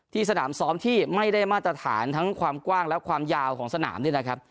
สนามซ้อมที่ไม่ได้มาตรฐานทั้งความกว้างและความยาวของสนามนี่นะครับ